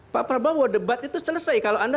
pak prabowo debat itu selesai kalau anda